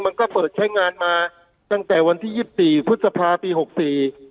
มันก็เปิดใช้งานมาตั้งแต่วันที่ยี่สิบสี่พฤษภาปีหกสี่